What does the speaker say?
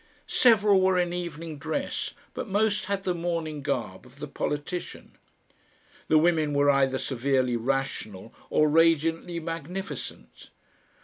Several were in evening dress, but most had the morning garb of the politician; the women were either severely rational or radiantly magnificent.